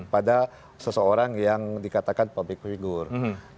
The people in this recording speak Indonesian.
pada seseorang yang dikatakan public figure